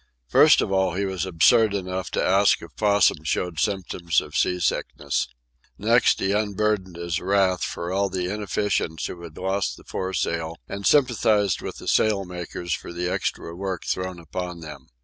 First of all he was absurd enough to ask if Possum showed symptoms of sea sickness. Next, he unburdened his wrath for the inefficients who had lost the foresail, and sympathized with the sail makers for the extra work thrown upon them.